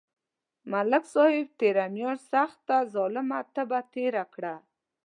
ملک صاحب تېره میاشت سخته ظلمه تبه تېره کړه.